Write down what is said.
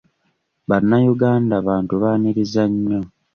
Bannayuganda bantu baaniriza nnyo.